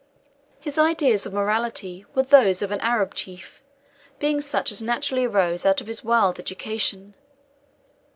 His ideas of morality were those of an Arab chief, being such as naturally arose out of his wild education.